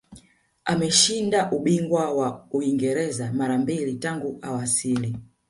ameshinda ubingwa wa uingereza mara mbili tangu awasili